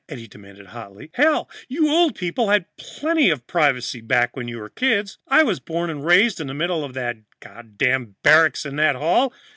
Eddie demanded hotly. "Hell, you old people had plenty of privacy back when you were kids. I was born and raised in the middle of that goddamn barracks in the hall!